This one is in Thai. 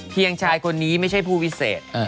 ชายคนนี้ไม่ใช่ผู้วิเศษ